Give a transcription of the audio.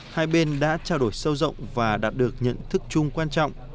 hai bên đã trao đổi sâu rộng và đạt được nhận thức chung quan trọng